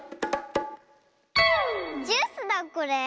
ジュースだこれ。